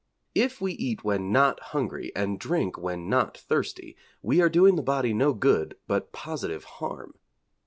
If we eat when not hungry, and drink when not thirsty, we are doing the body no good but positive harm.